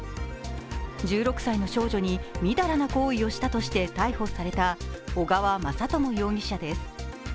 １６歳の少女に淫らな行為をしたとして逮捕された小川雅朝容疑者です。